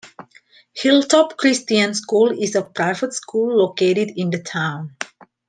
Hilltop Christian School is a private school located in the town.